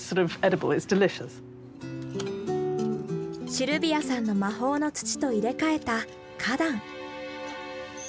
シルビアさんの魔法の土と入れかえた花壇。